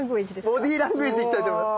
ボディーランゲージで行きたいと思います。